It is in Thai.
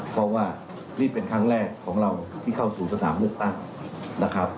เพราะว่านี่เป็นครั้งแรกของเราที่เข้าสู่สถานเลือกตั้งนะครับ